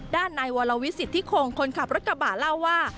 ด้านในวรวิสิทธิคงคนขับรถกระบะเล่าว่า